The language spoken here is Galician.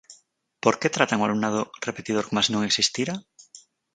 ¿Por que tratan o alumnado repetidor como se non existira?